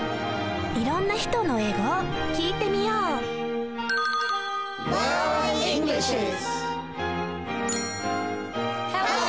いろんな人の英語を聞いてみようＨｅｌｌｏ！